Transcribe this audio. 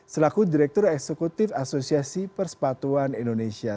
selaku direktur eksekutif asosiasi persepatuan indonesia